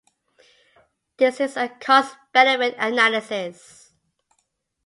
This is a cost-benefit analysis.